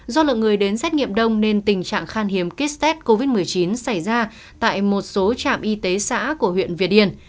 do lượng người đến xét nghiệm đông nên tình trạng khan hiếm kit test covid một mươi chín xảy ra tại một số trạm y tế xã của huyện việt yên